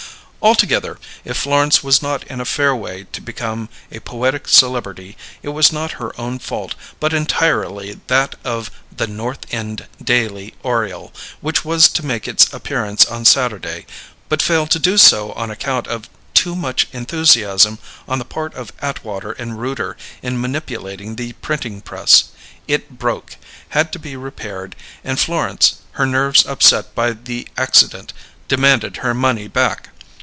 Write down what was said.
Altogether, if Florence was not in a fair way to become a poetic celebrity it was not her own fault but entirely that of The North End Daily Oriole, which was to make its appearance on Saturday, but failed to do so on account of too much enthusiasm on the part of Atwater & Rooter in manipulating the printing press. It broke, had to be repaired; and Florence, her nerves upset by the accident, demanded her money back.